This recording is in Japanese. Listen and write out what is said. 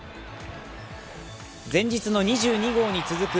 前日の２２号に続く